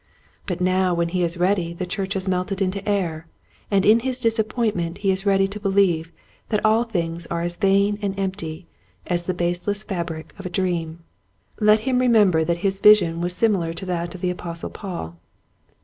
But now when he is ready the church has melted into air, and in his disappointment he is ready to believe that all things are as vain and empty as the baseless fabric of a dream. Let him remember that his vision was similar to that of the Apostle Paul.